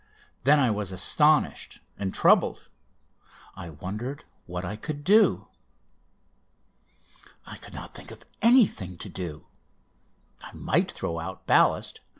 Then I was astonished and troubled. I wondered what I could do. I could not think of anything to do. I might throw out ballast.